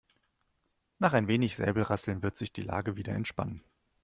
Nach ein wenig Säbelrasseln wird sich die Lage wieder entspannen.